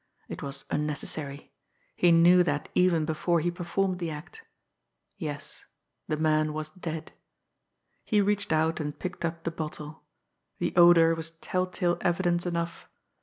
It was unnecessary he knew that even before he performed the act. Yes the man was dead He reached out and picked up the bottle. The odour was tell tale evidence enough.